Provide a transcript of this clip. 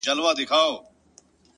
كه ملاقات مو په همدې ورځ وسو”